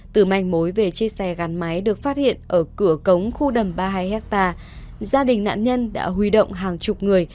từ manh mối về chiếc xe gắn máy được phát hiện ở cửa cống khu đầm ba mươi hai hectare gia đình nạn nhân đã huy động hàng chục người